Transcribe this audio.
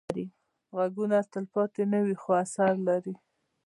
غږونه تلپاتې نه وي، خو اثر لري